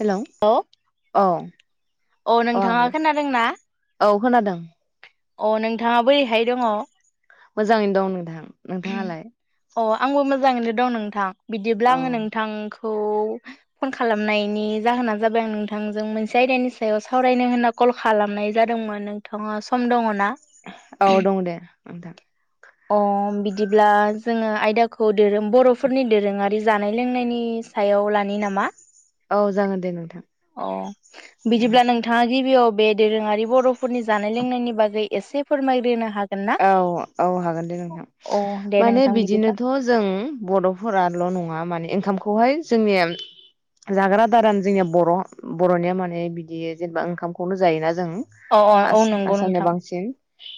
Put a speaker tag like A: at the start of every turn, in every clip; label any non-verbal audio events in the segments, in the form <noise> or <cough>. A: Hello
B: औ
A: औ
B: औ नोंथाङा खोनादों ना?
A: औ खोनादों।
B: अ नोंथाङा बोरैहाय दङ?
A: मोजाङैनो दं नोंथां नोंथाङालाय?
B: अ आंबो मोजाङैनो दं नोंथां बिदिब्ला
A: औ
B: आङो नोंथां खौ फन खालामनायनि जाहोना जाबाय आं नोंथांजों मोनसे आयदानि सायाव सावरायनो होनना कल खालामनाय जादोंमोन नोंथाङासो खम दङ ना?
A: औ दं दे नोंथां
B: अ बिदिब्ला जोङो आयदाखौ दोरों बर'फोरनि दोरोङारि जानाय लोंनायनि सायाव लानि नामा?
A: औ जागोन दे नोंथां।
B: अ बिदिब्ला नोंथाङा गिबियाव बे दोरोङारि बर'फोरनि जानाय लोंनायनि बागै एसे फोरमायग्रोनो हागोन ना
A: औ औ हागोन दे नोंथां
B: अ दे
A: माने
B: नोंथां बिदिब्ला
A: बिदिनोथ' जों बर'फोराल' नङा माने ओंखामखौ खौहाय जोंनिया जाग्रा दारान जोंनिया बर' बर'निया माने बिदि जेनेबा ओंखामखौनो जायोना। जों
B: अ अ
A: आं
B: औ नंगौ
A: आसामनि
B: नोंथां
A: बांसिन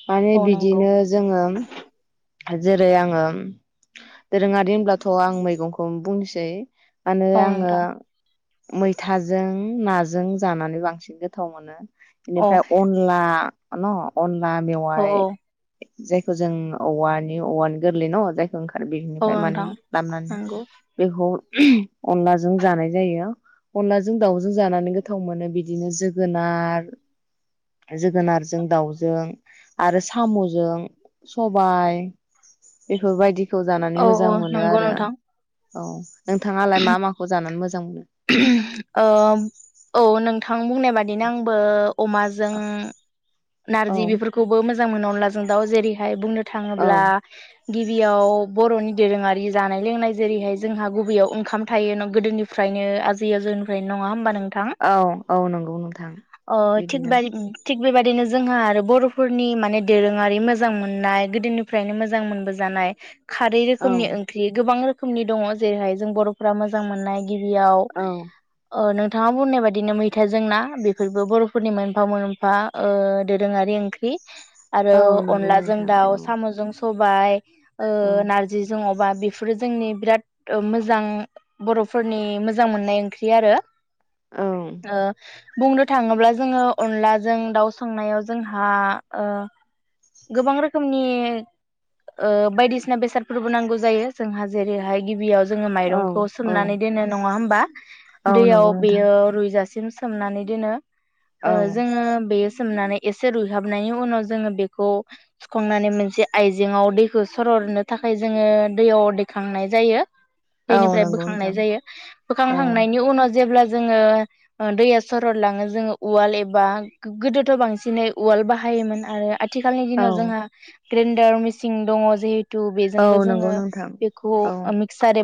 A: माने
B: औ
A: बि
B: नंगौ
A: बिदिनो जोङो। जेरै आङो दोरोङारि होनब्लाथ' आं मैगंखौ बुंनोसै मानो
B: औ
A: आङो
B: नोंथां
A: मैथाजों नाजों जानानै बांसिन गोथाव मोनो।
B: औ
A: बेनिफ्राय अनला न अन ला
B: औ
A: मेवाय जायखौ जों औवानि औवानि गोरलै न' जाय ओंखार
B: औ
A: बिनिफ्राय माने
B: नोंथां
A: लाबोनानै
B: नंगौ
A: बेखौ अनलाजों जानाय जायो अनलाजों दाउजों जानानै गोथाव मोनो बिदिनो जोगोनार जोगोनारजों दाउजों आरो साम'जों सबाय बेफोर बायदि खौ जानानै
B: औ
A: मोजां
B: औ
A: मोनो
B: नंगौ
A: आरो।
B: नोंथां
A: औ नोंथाङालाय मा माखौ जानानै मोजां जां मो
B: ओ औ नोंथां बुंनाय बादिनो आंबो अमाजों
A: औ
B: नारजि बेफोरखौबो मोजां जां मोनो अनलाजों दाव जेरैहाय बुंनो
A: औ
B: थाङोब्ला गिबियाव बर'नि दोरोङारि जानाय लोंनाय जेरैहाय जोंहा गुबैयाव ओंखाम थायो न गोदोनिफ्रा फ्रायनो आजै आजौनिफ्रायनो नङा होमबा नों थां
A: औ औ नंगौ नोंथां
B: ओ थिग
A: बिदिनो
B: बायदि बेबादिनो जोंहा आरो बर'फोरनि माने दोरोङारि मोजां मोननाय गोदोनिफ्रायनो मोजां मोनबोजानाय खारै
A: औ
B: रोखोमनि ओंख्रि गोबां रो खोमनि दङ। जेरैहाय जों बर'फ्रा मोजां मोननाय गिबियाव
A: औ
B: ओ नों थाङा बुंनाय बाददिनो मैथाजों ना। बेफोरबो बर'फोरनि मोनफा मोनफा ओ दोरोङारि ओंख्रि। आरो
A: औ नंगौ
B: अनलाजों
A: नोंथां
B: दाउ
A: औ
B: साम'जों सबाइ
A: औ
B: ओ नारजिजों अमा बेफोरो जोंनि बिराद मोजां बर' फोरनि मोजां मोननाय ओंख्रि आरो।
A: औ
B: ओ बुंनो थाङोब्ला जोङो अनलाजों दाउ संनायाव जोंहा ओ गोबां रोखोमनि ओ बायदिसिना बेसादफोरबो नांगौ जायो। जोंहा जेरैहाय गिबियाव जोङो
A: औ
B: माइरंखौ
A: औ
B: सोमनानै दोनो नङा होमबा?
A: औ
B: दैयाव
A: नंगौ नोंथां
B: बेयो रुइजा सिम सोमनानै दोनो। ओ
A: औ
B: जोङो बे सोमनानै एसे रुइहाबनायनि उनाव जोङो बेखौ सुखांनानै मोनसे आइजेंआव दैखौ सररनो थाखाय जोङो दैयाव दैखांनाय जायो।
A: औ
B: दैनिफ्राय
A: नंगौ
B: बोखांनाय
A: नोंथां
B: जायो। बोखां
A: औ
B: खांनायनि उनाव जेब्ला जों जोङो दैया सरद लाङो जोङो उवाल एबा गोदोथ' बांसिनै उवाल बाहायोमोन आरो आ थिखालनि
A: औ
B: दिनाव जोंहा ग्रेन्डार मिसिन दङ जिहे थु
A: औ
B: बेजोंबो
A: नंगौ नोंथां
B: जोङो
A: औ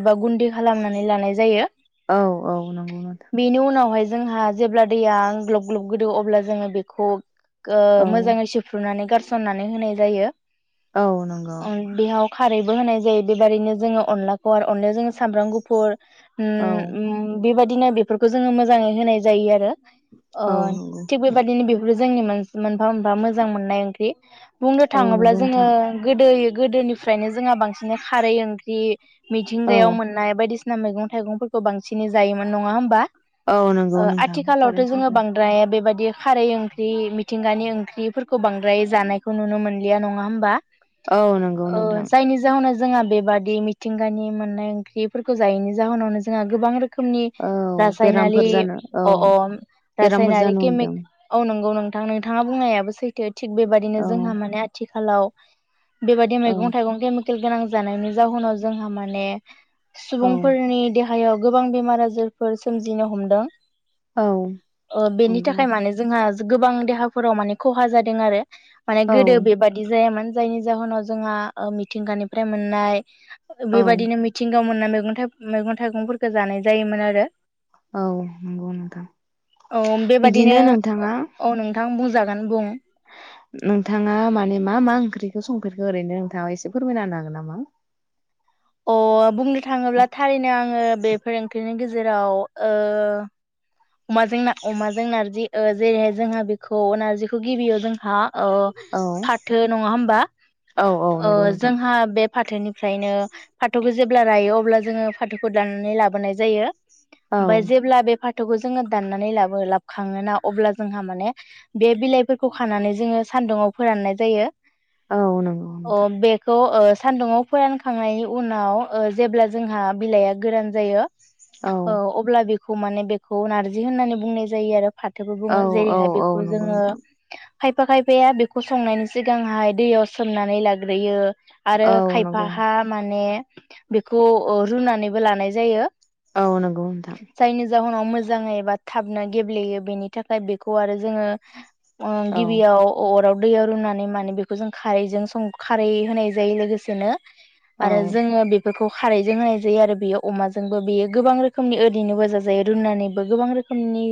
B: बा गुन्दि खालामनानै लानाय जायो
A: औ औ उम
B: बेनि उनावहाय जोंहा जेब्ला दैया ग्लब ग्लब गोदो अब्ला जोङो बेखौ ओ
A: औ
B: मोजाङै सेफ्रुनानै गार फुननानै होनाय जायो
A: औ नंगौ
B: बेयाव खारैबो होनाय जायो बेबादिनो जोङो अनलाखौ आरो अनलायाव जोङो सामब्राम गुफुर ओम
A: औ
B: उम बेबायदिनो बेफोरखौ जोङो मोजाङै होनाय जायो आरो अ
A: औ नंगौ
B: थिग बेबायादिनो बेफोर जोंनि <unintelligible> मोजां मोननाय ओंख्रि बुंनो
A: औ
B: थाङोब्ला
A: नंगौ
B: जोङो
A: नोंथां
B: गोदो गोदोनिफ्रायनो जोंहा बांसिन खारै ओंख्रि
A: औ
B: मिथिंगायाव मोननाय बायदिसिना मैगं थाइगंफोरखौ बांसिनै जायोमोन नङा होमबा
A: औ नंगौ
B: ओ
A: नोंथां
B: आथिखालावथ'
A: थारैनो
B: जोङो
A: सैथो
B: बांद्राया बेबाय बे खारै ओंख्रि मिथिंगानि ओंख्रिफोरखौ बांद्राय जानायखौ नुनो मोनलिया नङा होमबा
A: औ नंगौ
B: औ
A: नोंथां
B: जायनि जाहोनाव जोंहा बेबादि मिथिंगानि मोननाय ओंख्रिफोर जायैनि जाहोनावनो जोंहा गोबां रोखोम रोखोमनि
A: औ
B: रासायनारि
A: बेरामफोर जानो औ
B: अ अ
A: बेरामफोर
B: रासायनारि
A: जानो हमदों
B: केमिकल औ नंगौ नोंथाङा बुंनायाबो सैथो बेबायाददिनो
A: औ
B: जोंहा माने आथि खालाव बेबायदि
A: औ
B: मैगं थाइगं केमि जानायनि जाहोनाव जोंहा माने
A: औ
B: सुबुंफोरनि देहा हायाव गोबां बेमार आजारफोर सोमजिनो हमदों
A: औ
B: ओ बेनि
A: नंगौ
B: थाखाय माने जोंहा गोबां देहाफोराव माने खहा जादों आरो माने
A: औ
B: गोदो बेबायादि जायामोन जायनि जाहोनाव जोंहा मिथिंगानिफ्राय मोननाय।
A: औ
B: बेबायदिनो मिथिं मोननाय मैगं मैगं थाइगंफोरखौ जानाय जायोमोन आरो
A: औ नंगौ नोंथां
B: औ बेबादिनो
A: बिदिनो नोंथाङा
B: औ नोंथां <unintelligible>
A: नोंथाङा माने मा मा ओंख्रिखौ संफेरखो ओरैनो नोंथाङा एसे फोरमायना होन हागोन नामा?
B: अ बुंनि थाङोब्ला थारैनो आङो बे फोरोंगिरिनि गे जेराव ओ अमाजों ना अमाजों नारजि ओ जेरैहाय जोंहा बेखौ नारजिखौ गिबियाव जोंहा ओ
A: औ
B: फाथो नङा होमबा
A: औ औ
B: ओ
A: नंगौ नोंथां
B: जोंहा बे फाथोनिफ्रायनो फाथोखौ जेब्ला रायो अब्ला जोङो फाथोखौ दाननानै लाबोनाय जायो।
A: औ
B: ओमफ्राय जेब्ला बे फा थौखौ जोङो दाननानै लाबो लाबखाङोना अब्ला जोंहा माने बे बिलाइफोरखौ खानानै जोङो सानदुुंङाव फोराननाय जायो।
A: औ नंगौ
B: अ
A: नोंथां
B: बेखौ ओ सानदुंङाव फोरानखांनायनि उनाव ओ जेब्ला जोंहा बिलाइआ गोरान जायो।
A: औ
B: ओ अब्ला बे खौ माने बे खौ नारजि होननानै बुंनाय जायो आरो। फाथोबो
A: औ
B: बुङो
A: औ
B: जेरैहाय
A: औ
B: बेखौ
A: नंगौ
B: जोङो
A: नोंथां
B: खायफा खायफाया बेखौ संनायनि सिगांहाय दैयाव सोमनानै लाग्रोयो। आरो
A: औ नंगौ
B: खायफाहा माने बेखौ अ रुनानैबो लानाय जायो।
A: औ नंगौ नोंथां?
B: नाव मोजां एबा थाबनो गेब्लेयो बेनि थाखाय बेखौ आरो जोङो। आ
A: औ
B: गिबियाव अराव दैयाव रुनानै माने बेखौ जों खारैजों सं खारै होनाय जायो। लोगोसेनो
A: औ
B: आरो जोङो बे फोरखौ खारैजों होनाय जायो आरो बेयो अमाजोंबो बेयो गोबां रोखोमनि ओरैनोबो जाजायो। दोननानैबो गोबां रोखोमनि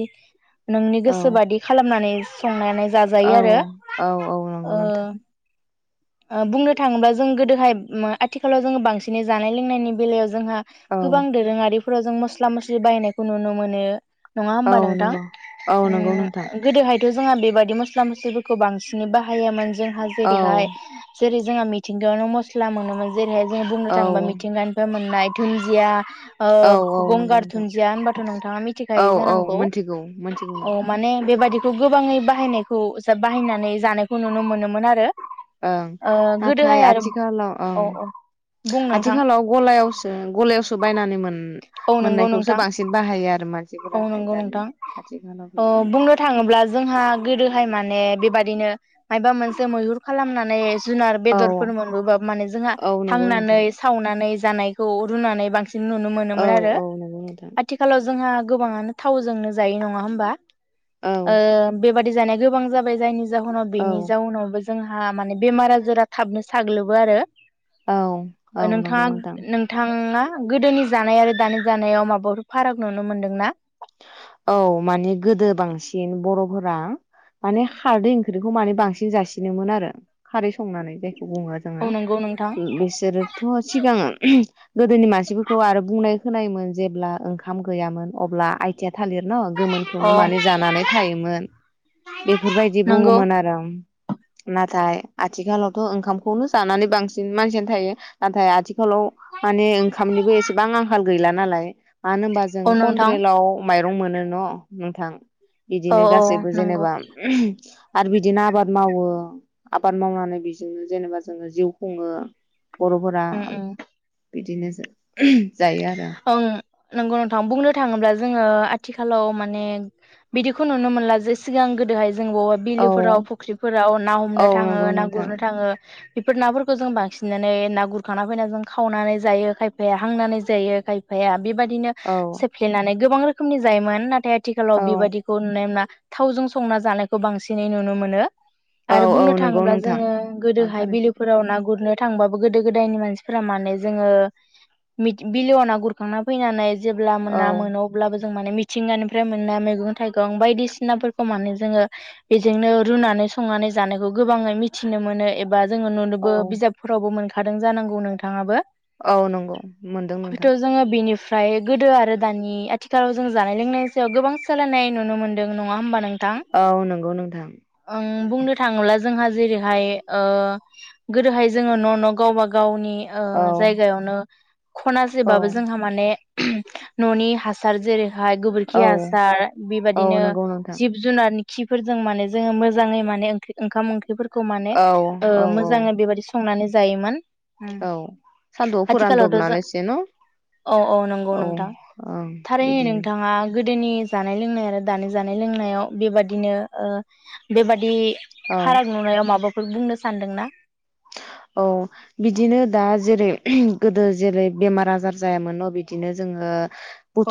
B: नोंनि
A: औ
B: गोसो बादि खालामनानै संनानै जाजायो आरो
A: औ औ नंगौ
B: ओ
A: नोंथां
B: ओ बुंनो थाङोब्ला जों गोदोहाय उम आथिखालाव जोङो बांसिनै जानाय लोंनायनि बेलायाव। जोंहा
A: औ
B: गोबां दोरोङारि फोराव जों मस्ला मस्लि बायनाय खौ नुनो मोनो। नङा
A: औ
B: होमबा नोंथां
A: नंगौ औ नंगौ नोंथां
B: उम गोदोहायथ जोंहा बेबायादि मस्ला मस्लिफोरखौ बांसिनै बाहायोमोन। जों हा
A: औ
B: जेरैहाय जेरै जोंहा मिथिंगायावनो मस्ला मोनोमोन। जेरैहाय जों बुंनो
A: औ
B: थाङोबा मिथिंगानिफ्राय मोननाय दुनजिया
A: औ औ
B: ओ
A: नंगौ
B: गंगार
A: नोंथां
B: दुनजिया होनबा नोंथाङा
A: औ
B: मिथिखायो
A: औ
B: जानांगौ
A: मोनथिगौ मोनथिगौ
B: औ
A: नोंथां
B: माने बे बा बायदिखौ गोबाङै बाहायनायखौ बाहायनानै जानायखौ नुनो मोनोमोन आरो।
A: ओं
B: ओ
A: नाथाय
B: गोदोहाय आरो
A: आथिखालाव ओं
B: औ औ बुं नोंथां
A: आथिखालाव गलायावसो गलायावसो बायनानै मोन
B: औ नंगौ
A: मोननायखौसो
B: नोंथां
A: बांसिन बाहायो आरो
B: औ
A: मानसिफोराहाय
B: नोंगौ
A: दानिया
B: नोंथां।
A: आथिखालाव
B: औ
A: बिदिनो
B: बुंनो थाङोब्ला जोंहा गोदोहाय माने बेबायदिनो माबा मोनसे मैहुर खालामनानै जुनार
A: औ
B: बेदरफोर मोनबोबा माने जोंहा
A: औ नंगौ
B: हांनानै
A: नोंथां
B: सावनानै जानायखौ रुनानै बांसि न नुनो
A: औ
B: मोनोमोन आरो।
A: औ नंगौ नोंथां
B: थ जोंहा गोबाङानो थावजोंनो जायो नङा होमबा?
A: औ
B: ओ बेबादि जानाय गोबां जाबाय जायनि जाहोनाव
A: औ
B: बेनि जाउनाव बो जोंहा माने बेमार आजारा थाबनो साग्लोबो आरो।
A: औ
B: ओ
A: औ
B: नोंथाङा
A: नंगौ नोंथां
B: नोंथांना गोदोनि जानाय आरो दानि जानायाव माबा फाराग नुनो मोन्दों ना?
A: औ माने गोदो बांसिन बर'फोरा माने खारदै ओंख्रिखौ माने बांसिन जासिनोमोन आरो खारै संनानै जाय खौ बुङो जोङो
B: औ नंगौ नोंथां
A: बिसोरोथ सिगां गोदोनि मानसिफोरखौ आरो बुंनाय खोनायोमोन जेब्ला ओंखाम गैयामोन अब्ला आयथिया थालिर न
B: अ
A: गोमोनखौनो माने जानानै थायोमोन। बेफोरबायदि
B: नंगौ
A: बुङोमोन आरो। नाथाय आथिखालावथ ओंखामखौनो जानानै बांसिन मानसियानो थायो। नाथाय आथिखालाव माने ओंखामनिबो एसेबां आंखाल गैला नालाय। मानो होनबा जों
B: औ नोंथां
A: कन्ट्रेलाव माइरं मोनो न नोंथां।
B: औ
A: बिदिनो
B: औ
A: गासैबो
B: नंगौ
A: जेनेबा आरो बिदिनो आबाद मावो आबाद मावनानै बेजोंनो जेनेबा जोङो जिउ खुङो। बर'फोरा
B: उम उम
A: बिदिनोसो जायो आरो।
B: ओं नंगौ नोंथां बुंनो थाङोब्ला जोङो आथिखालाव माने बिदिखौ नुनो मोनला जे सिगां गोदोहाय जों बवाव
A: औ
B: बिलोफोराव फुख्रिफोराव ना
A: औ
B: हमनो थाङो
A: नंगौ
B: ना
A: नोंथां
B: गुरनो थाङो बेफोर नाफोरखौ जों बांसिननानै ना गुरखांना फैना जों खावनानै जायो खायफाया हांनानै जायो। खायफाया बेबायदि बिदिनो
A: औ
B: सेफ्लेनानै गोबां रोखोमनि जायोमोन। नाथाय आथिखालाव
A: औ
B: बेबायदिखौ नुनाय मोना थावजों संना जानायखौ बांसिनै नुनो मोनो।
A: औ
B: आरो
A: औ
B: बुंनो
A: नंगौ
B: थाङोब्ला
A: नोंथां
B: जोङो
A: औ
B: गोदोहाय
A: थारैनो सैथो।
B: बिलोफोराव ना गुरनो थांबाबो गोदो गोदायनि मानसि फोरा माने जोङो मि बिलोआव ना गुरखांना फैनानै जेब्ला
A: औ
B: ना मोनो अब्लाबो माने मिथिंगानिफ्राय मोननाय मैगं थाइगं बायदिसिनाफोरखौ माने जोङो बेजोंनो रुनानै संनानै जानायखौ गोबाङै मिथिनो मोनो एबा जोङो
A: औ
B: नुनोबो बिजाबफोरावबो मोन खादों जानांगौ नोंथाङाबो
A: औ नंगौ मोनदों नोंथां
B: हयथ जोङो बेनि ओमफ्राय गोदो आरो दानि आथिखालाव जों जानाय लोंनायनि सायाव गोबां सोलायनाय नुनो मोनदों नङा होमबा
A: औ नंगौ नोंथां।
B: उम बुंनो थाङोब्ला जोंहा जेरैहाय ओ गोदोहाय जोङो न न गावबा गावनि ओ
A: औ
B: जायगायावनो
A: औ
B: खनासेबाबो जोंहा माने ननि हासार जेरै हाय गोबोरखि
A: औ
B: हासार
A: औ
B: बिबादिनो
A: नंगौ नोंथां
B: जिब जुनारनि जिफोरजों माने जो मोजाङै माने ओ ओंखाम ओंख्रिफोर खौ माने
A: औ
B: ओ
A: औ औ
B: मोजाङै बेबायदि संनानै जायोमोन। उम
A: औ सान्दुआव
B: आथिखालावथ' जों
A: फोरानदबनानै
B: औ औ नंगौ नोंथां
A: ओं
B: थारै
A: बिदिनो
B: नोंथाङा गोदोनि जानाय लोंनाय आरो दानि जानाय लोंनायाव बेबादिनो ओ बेबादि
A: औ
B: फाराग नुनायाव माबाफो बो बुंनो सानदों ना
A: औ बिदिनो दा जेरै गोदो जेरै बेमार आजार जायामोन न' बिदिनो जोङो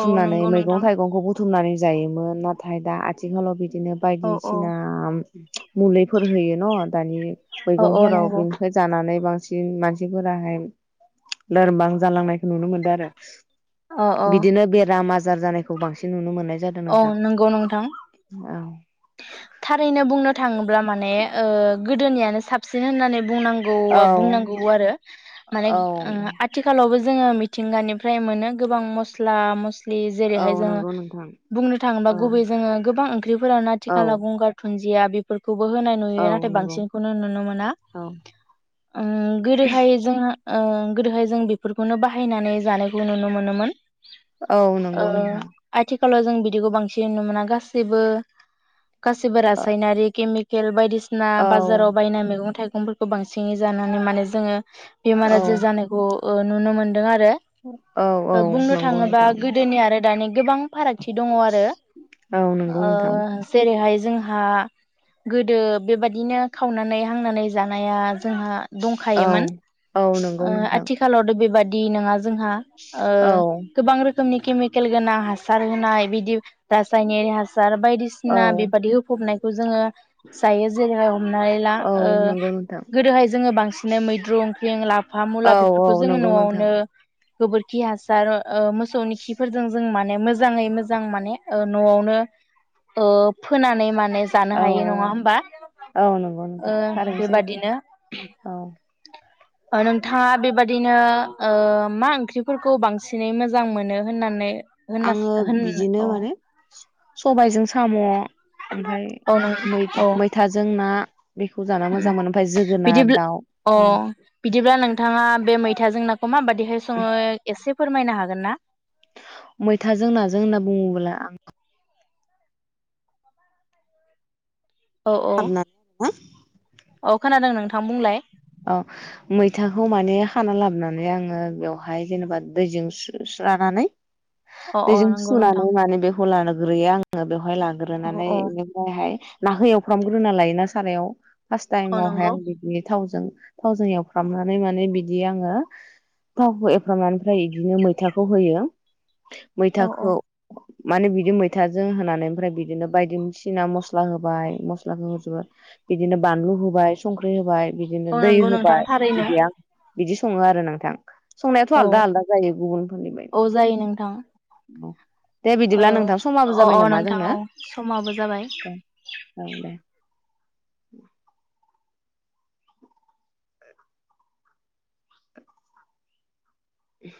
B: औ नंगौ
A: मैगं
B: नोंथां।
A: थाइगंखौ बुथुमनानै जायोमोन ना ओमफाय दा आथिखालाव बि बिदिनो
B: औ औ
A: बायदिसिना मुलिफोर होयो न' दानि
B: औ औ
A: मैगंफोराव बि
B: नंगौ
A: जानानै बांसिन मानसिफोराहाय लोरबां जालांनाय नुनो मोनदों आरो
B: औ औ
A: बिदिनो बेराम आजार बाजार जानायखौ बांसिन नुनो मोननाय जादों
B: औ
A: नोंथां
B: नंगौ नोंथां
A: औ।
B: थारैनो बुंनो थाङोब्ला माने ओ गोदोनियानो साबसिन होननानै बुंनांगौ
A: औ
B: बुंनांगौ आरो माने
A: औ
B: ओ आथिखालावबो जोङो मिथिंगानिफ्राय मोनो गोबां मस्ला मस दि
A: औ
B: जेरैहाय जोङो
A: नंगौ नोंथां
B: बुंनो थाङोबा
A: औ
B: गुबै जोङो गोबां ओंख्रिफोरानो आथि
A: औ
B: खाला गंगार दुन जिया बेफोर खौबो होनाय
A: औ
B: नुयो नाथाय
A: नंगौ
B: बांसिनखौनो नुनो मोना
A: औ
B: ओम गोदोहाय जोंङो ओ गोदोहाय जों बेफोरखौनो बाहायनानै जानायखौ नुनो मोनोमोन
A: औ
B: ओ
A: नंगौ नोंथां
B: आथिखालाव जों बिदिखौ बांसिन नुनो मोना गासिबो गासिबो रासायनारि केमि खेल बायदिसि सिना
A: औ
B: बाजाराव बायनाय मैगं थाइगं मैगंफोरखौ बांसिनै जानानै माने जोङो बेमार
A: औ
B: आजार जानायखौ औ नुनो मोन दों आरो
A: औ औ
B: बुंनो
A: नंगौ
B: थाङोबा
A: नोंथां
B: गोदोनि आरो दानि गोबां फाराग खाथि दङ आरो
A: औ नंगौ
B: ओ
A: नोंथां
B: जेरैहाय जोंहा गोदो बेबायदिनो खावनानै हांनानै जानाया जोंहा
A: औ
B: दंखायोमोन
A: औ
B: ओ
A: नंगौ नोंथां
B: आथिखालावथ' बेबा दि नङा जोंहा ओ
A: औ
B: गोबां रो खोमनि केमिकेल गोनां हासार होनाय बिदि रासायनारि हासार बायदि
A: औ
B: सिना बेबादि होफबनाय खौ जोङो जायो जेरैहाय हमनानै ला
A: औ
B: ओ
A: नंगौ नोंथां
B: गोदोहाय जोङो बां सिनो मैद्रु ओंख्रि ला फा
A: औ
B: मुला
A: औ
B: बेफोरखौ जोङो
A: नंगौ नोंथां
B: न'आवनो गोबोरखि हासार ओ मोसौनि खिफोरजों जों माने मोजाङै मोजां माने ओ न'आवनो ओ फोनानै मा ने जानो
A: औ
B: हायो नङा होमबा
A: औ नंगौ
B: ओ
A: नोंथां थारैनो सैथो
B: बेबादिनो
A: औ
B: ओ नोंथाङा बेबदिनो ओ मा ओंख्रिफोरखौ बांसिनै मोजां मोनो होननानै होनना
A: आङो
B: होन
A: बिदिनो
B: औ
A: माने सबाइजों साम' ओमफाय
B: औ
A: मैथा
B: औ
A: मैथाजों ना बेखौ जाना
B: उ
A: मोजां मोनो ओमफ्राय जोगोनार
B: बिदिब्ला
A: दाउ
B: औ
A: उम
B: बिदिब्ला नोंथाङा बे मैथाजों नाखौ माबादिहाय सङो एसे फोरमायनो हागोन ना
A: मैथाजों नाजों होनना बुङोब्ला आं <unintelligible>
B: अ खोनादों नोंथां बुंलाय
A: औ मैथाखौ माने खाना लाबोनानै आङो बेवहाय जेनेबा दैजों सुस्रानानै
B: अ अ
A: दैजों
B: नंगौ नोंथां
A: सुनानै माने बेखौ लानो ग्रोयो आङो बे खौहाय
B: औ
A: लांग्रोनानै
B: औ
A: बेनिफ्रायहाय नाखौ एवफ्रामग्रोना लायोना सारायाव फार्स्ट
B: औ
A: टाइमावहाय
B: नंगौ
A: आं बिदि थावजों थावजों एवफ्रामनानै माने बिदि आङो थावखौ एवफ्रामनानैहाय बिदिनो मैथाखौ होयो
B: औ औ
A: मैथाखौ माने बिदि मैथाजों होनानै ओमफ्राय बिदिनो बायदिसिना मस्ला होबाय मस्लाखौ होजोबबाय बिदिनो बानलु होबाय संख्रि होबाय बिदिनो
B: औ
A: दै
B: नंगौ नोंथां
A: होबाय
B: थारैनो
A: बिदि आं बिदि सङो आरो नोंथां संनायाथ'
B: औ
A: आलदा आलदा जायो गुबुनफोरनि बायदि
B: औ जायो नोंथां
A: <unintelligible> दे
B: औ
A: बिदिब्ला नोंथां समाबो
B: अ
A: जाबाय
B: अ
A: नामा
B: नोंथां
A: जोंनो
B: औ समाबो जाबाय
A: दे ओं दे उम